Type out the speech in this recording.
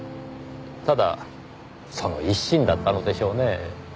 ただその一心だったのでしょうね。